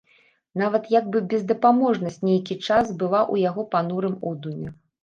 Нават як бы бездапаможнасць нейкі час была ў яго панурым одуме.